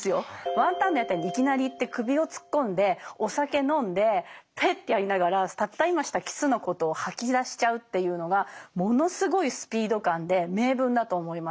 ワンタンの屋台にいきなり行って首をつっこんでお酒飲んでペッてやりながらたった今したキスのことを吐き出しちゃうっていうのがものすごいスピード感で名文だと思います。